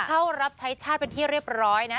เข้ารับใช้ชาติเป็นที่เรียบร้อยนะ